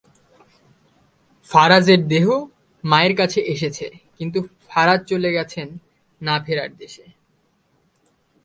ফারাজের দেহ মায়ের কাছে এসেছে, কিন্তু ফারাজ চলে গেছেন না-ফেরার দেশে।